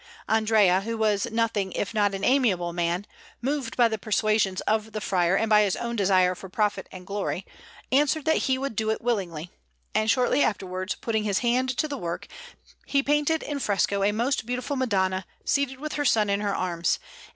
Andrea, who was nothing if not an amiable man, moved by the persuasions of the friar and by his own desire for profit and glory, answered that he would do it willingly; and shortly afterwards, putting his hand to the work, he painted in fresco a most beautiful Madonna seated with her Son in her arms, and S.